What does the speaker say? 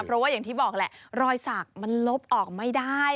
เพราะว่าอย่างที่บอกแหละรอยสักมันลบออกไม่ได้